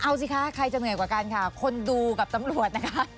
เอาสิคะใครจะเหนื่อยกว่ากันค่ะคนดูกับตำรวจนะคะ